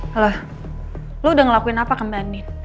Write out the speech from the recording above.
halo lo udah ngelakuin apa ke mbak andin